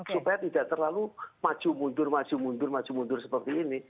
supaya tidak terlalu maju mundur maju mundur maju mundur seperti ini